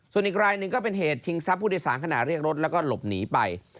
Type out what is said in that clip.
ส่วนอีกรายหนึ่งก็เป็นเหตุชิงทรัพย์ผู้โดยสารขณะเรียกรถแล้วก็หลบหนีไป